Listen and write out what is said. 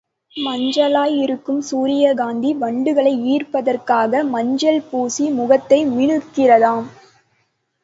மஞ்சளாயிருக்கும் சூரியகாந்தி, வண்டுகளை ஈர்ப்பதற் காக மஞ்சள் பூசி முகத்தை மினுக்குகிறதாம்.